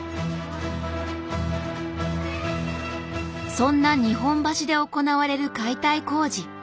そんな日本橋で行われる解体工事。